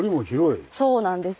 そうなんです。